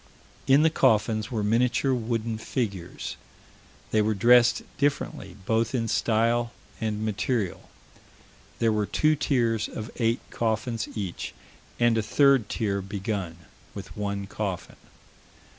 In the coffins were miniature wooden figures. They were dressed differently both in style and material. There were two tiers of eight coffins each, and a third tier begun, with one coffin.